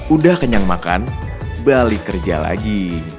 udah kenyang makan balik kerja lagi